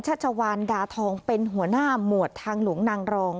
ชัชวานดาทองเป็นหัวหน้าหมวดทางหลวงนางรอง